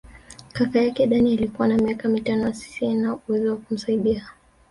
Kaka yake Dani alikuwa na miaka mitano asiye na uwezo wa kumsaidia.